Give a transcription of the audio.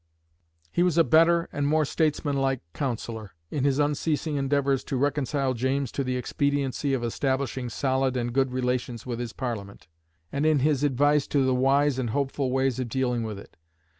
He was a better and more statesmanlike counsellor, in his unceasing endeavours to reconcile James to the expediency of establishing solid and good relations with his Parliament, and in his advice as to the wise and hopeful ways of dealing with it.